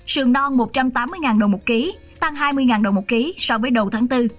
sườn non một trăm tám mươi đồng một ký tăng hai mươi đồng một ký so với đầu tháng bốn